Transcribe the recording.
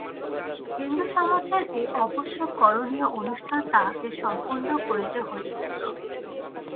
হিন্দুসমাজের এই অবশ্য করণীয় অনুষ্ঠান তাহাকে সম্পন্ন করিতে হইয়াছিল।